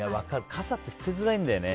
傘って捨てづらいよね。